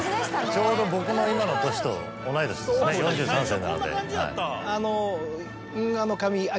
ちょうど僕の今の年と同い年ですね４３歳なので。